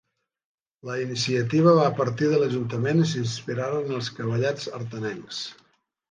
La iniciativa va partir de l'ajuntament i s'inspiraren en els cavallets artanencs.